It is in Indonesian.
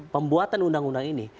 pembuatan undang undang ini